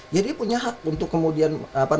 ya dia punya hak untuk kemudian